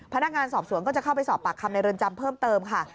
พนักงานสอบสวนก็จะเข้าไปสอบปากคำในเรือนจำเพิ่มเติมค่ะ